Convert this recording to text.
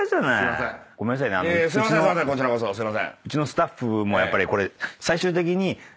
うちのスタッフもやっぱりこれ。